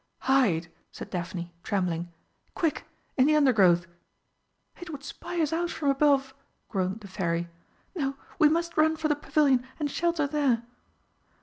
"Hide," said Daphne, trembling. "Quick! In the undergrowth!" "It would spy us out from above," groaned the Fairy. "No, we must run for the Pavilion and shelter there."